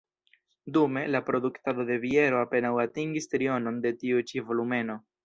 Dume, la produktado de biero apenaŭ atingis trionon de tiu ĉi volumeno.